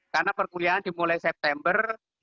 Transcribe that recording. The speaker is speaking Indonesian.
karena perkulian dimulai september